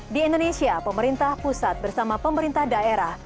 di indonesia pemerintah pusat bersama pemerintah daerah